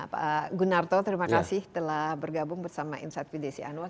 pak gunarto terima kasih telah bergabung bersama insight with desi anwar